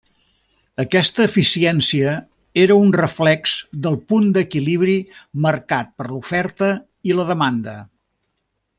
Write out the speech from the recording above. Aquesta eficiència era un reflex del punt d'equilibri marcat per l'oferta i la demanda.